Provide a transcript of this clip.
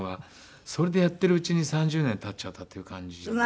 それでやってるうちに３０年経っちゃったっていう感じですね。